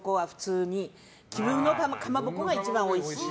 紀文のかまぼこが一番おいしい。